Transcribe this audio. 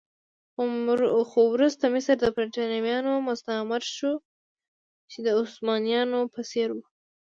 خو وروسته مصر د برېټانویانو مستعمره شو چې د عثمانيانو په څېر و.